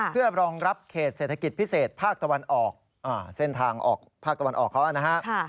เพื่อรองรับเขตเศรษฐกิจพิเศษภาคตะวันออกเส้นทางออกภาคตะวันออกเขานะฮะ